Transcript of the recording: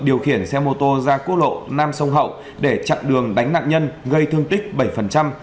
điều khiển xe mô tô ra quốc lộ nam sông hậu để chặn đường đánh nạn nhân gây thương tích bảy